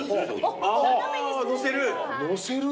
のせる？